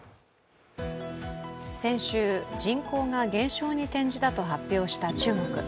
先週、人口が減少に転じたと発表した中国。